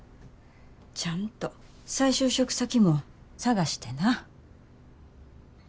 ちゃんと再就職先も探してな。